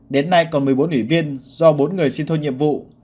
đến nay còn một mươi bốn ủy viên do bốn người xin thôi nhiệm vụ